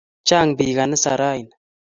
Chang' piik ganisa raini